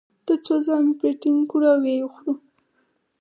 تر څو ژامې پرې ټینګې کړو او و یې خورو.